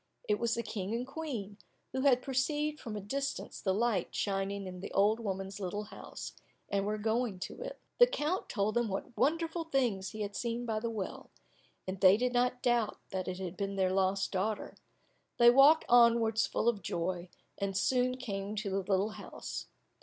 It was the King and Queen, who had perceived from a distance the light shining in the old woman's little house, and were going to it. The count told them what wonderful things he had seen by the well, and they did not doubt that it had been their lost daughter. They walked onwards full of joy, and soon came to the little house.